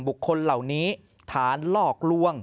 บุคคลเหล่านี้ฐานลอกล่วง